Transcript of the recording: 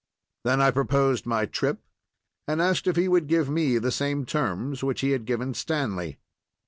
Then I proposed my trip, and asked if he would give me the same terms which he had given Stanley.